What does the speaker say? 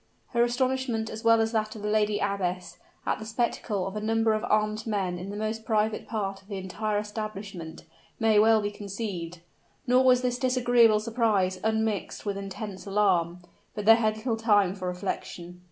Her astonishment, as well as that of the lady abbess, at the spectacle of a number of armed men in the most private part of the entire establishment, may well be conceived; nor was this disagreeable surprise unmixed with intense alarm. But they had little time for reflection.